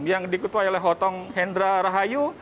yang diketuai oleh hotong hendra rahayu